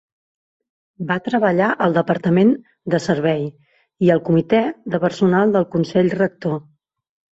Va treballar al Departament de Servei, i al Comitè de Personal del Consell Rector.